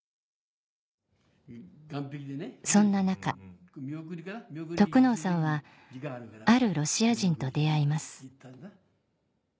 そんな中得能さんはあるロシア人と出会います